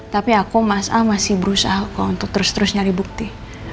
tapi aku mas a masih berusaha kok untuk terus terus nyari bukti